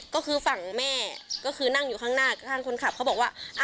ก็คือฝั่งแม่ก็คือนั่งอยู่ข้างหน้าข้างคนขับเขาบอกว่า